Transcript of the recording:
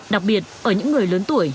đặc biệt ở những người lớn tuổi